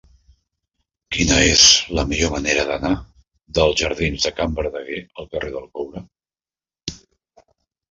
Quina és la millor manera d'anar dels jardins de Can Verdaguer al carrer del Coure?